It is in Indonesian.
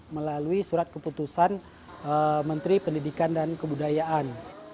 melalui surat keputusan menteri pendidikan dan kebudayaan